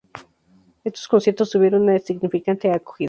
Estos conciertos tuvieron una significante acogida.